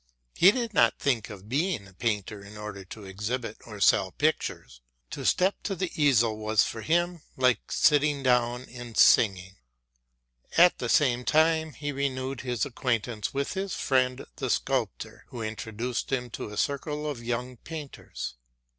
He did not think of being a painter in order to exhibit or sell pictures. To step to the easel was for him just like sitting down and singing. At the same time he renewed his acquaintance with his friend the sculptor, who introduced him to a circle of young painters.